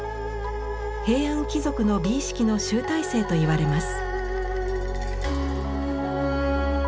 平安貴族の美意識の集大成といわれます。